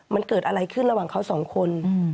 มันเกิดอะไรขึ้นระหว่างเขาสองคน